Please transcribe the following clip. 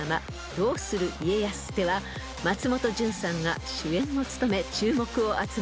『どうする家康』では松本潤さんが主演を務め注目を集めています］